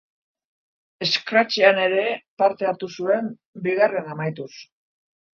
Scratchean ere parte hartu zuen, bigarren amaituz.